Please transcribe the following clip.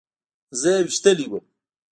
زه يې ويشتلى وم.